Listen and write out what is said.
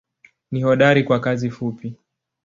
Ni hodari kwa kazi fupi.